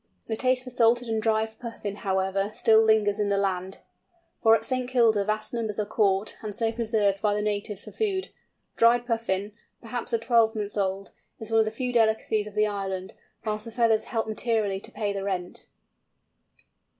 The taste for salted and dried Puffin, however, still lingers in the land; for at St. Kilda vast numbers are caught, and so preserved by the natives for food. Dried Puffin, perhaps a twelvemonth old, is one of the few delicacies of the island; whilst the feathers help materially to pay the rent!